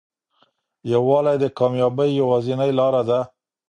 یووالی د کامیابۍ یوازینۍ لاره ده.